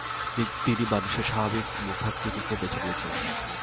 তিনি মানুষের স্বাভাবিক মুখাকৃতিকে বেছে নিয়েছেন।